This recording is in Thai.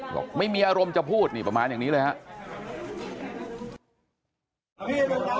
บอกไม่มีอารมณ์จะพูดนี่ประมาณอย่างนี้เลยครับ